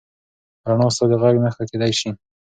رڼا ستا د غږ نښه کېدی شي.